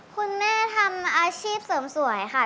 คุณแม่ทำอาชีพเสริมสวยค่ะ